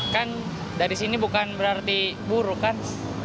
kan dari sini bukan berarti buruk kan